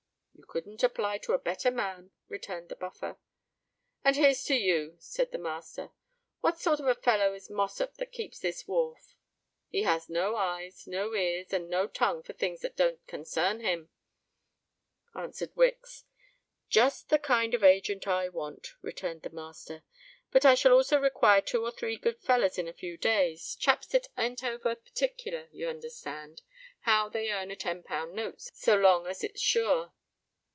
"You couldn't apply to a better man," returned the Buffer. "And here's to you," said the master. "What sort of a fellow is Mossop, that keeps this wharf?" "He has no eyes, no ears, and no tongue for things that don't consarn him," answered Wicks. "Just the kind of agent I want," returned the master. "But I shall also require two or three good fellers in a few days,—chaps that ain't over partickler, you understand, how they earn a ten pound note, so long as it's sure."